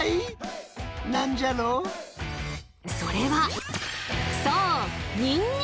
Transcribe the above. それはそう！